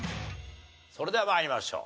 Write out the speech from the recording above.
それでは参りましょう。